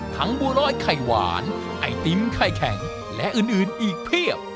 บัวรอยไข่หวานไอติมไข่แข็งและอื่นอีกเพียบ